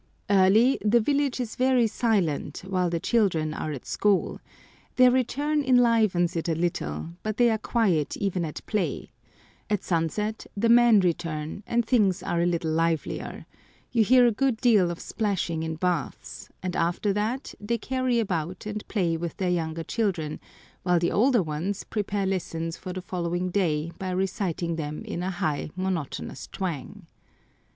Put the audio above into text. Early the village is very silent, while the children are at school; their return enlivens it a little, but they are quiet even at play; at sunset the men return, and things are a little livelier; you hear a good deal of splashing in baths, and after that they carry about and play with their younger children, while the older ones prepare lessons for the following day by reciting them in a high, monotonous twang.